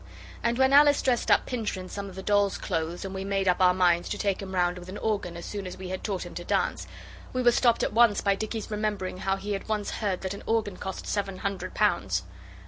And when Alice dressed up Pincher in some of the dolls' clothes and we made up our minds to take him round with an organ as soon as we had taught him to dance, we were stopped at once by Dicky's remembering how he had once heard that an organ cost seven hundred pounds.